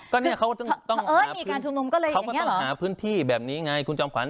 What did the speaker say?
ก็เนี่ยเขาก็ต้องหาพื้นที่แบบนี้ไงคุณจอมขวัญ